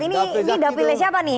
ini dapilnya siapa nih